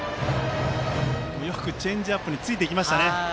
よくチェンジアップについていきましたね。